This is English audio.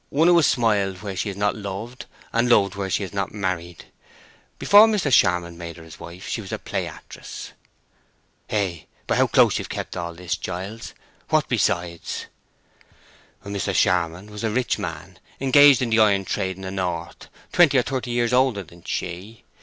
"One who has smiled where she has not loved and loved where she has not married. Before Mr. Charmond made her his wife she was a play actress." "Hey? But how close you have kept all this, Giles! What besides?" "Mr. Charmond was a rich man, engaged in the iron trade in the north, twenty or thirty years older than she.